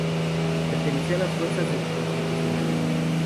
Perteneció a las fuerzas del constitucionalismo.